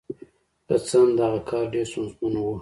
که څه هم دغه کار ډېر ستونزمن و.